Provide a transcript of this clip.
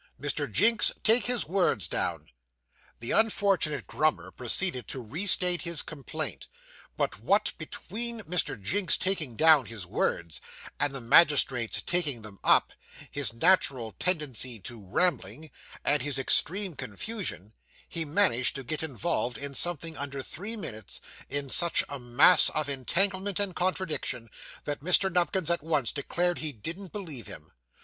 Mr. Jinks, take his words down.' The unfortunate Grummer proceeded to re state his complaint, but, what between Mr. Jinks's taking down his words, and the magistrate's taking them up, his natural tendency to rambling, and his extreme confusion, he managed to get involved, in something under three minutes, in such a mass of entanglement and contradiction, that Mr. Nupkins at once declared he didn't believe him.